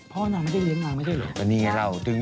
พ่อน้องไม่ได้เลี้ยงมาไม่ได้เลี้ยง